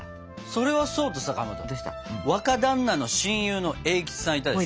それはそうとさかまど若だんなの親友の栄吉さんいたでしょ？